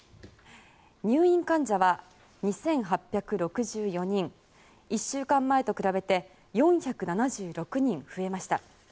入院患者は２８６４人１週間前と比べて４７６人増えました。